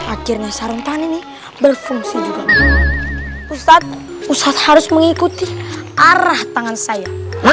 akhirnya sarung tangan ini berfungsi juga ustadz ustadz harus mengikuti arah tangan saya